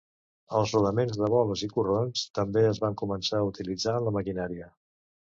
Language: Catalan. Els rodaments de boles i corrons també es van començar a utilitzar en la maquinària.